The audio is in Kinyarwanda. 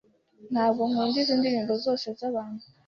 Ntabwo nkunda izi ndirimbo zose zabantu.